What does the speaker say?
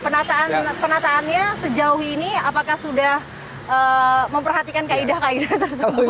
nah penataannya sejauh ini apakah sudah memperhatikan kaidah kaidah tersebut